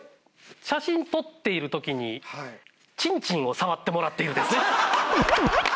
「写真撮っている時にチンチンを触ってもらっている」ですね。